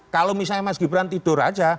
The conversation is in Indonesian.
kalau misalnya mas gibran tidur aja